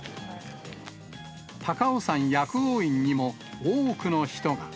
高尾山薬王院にも多くの人が。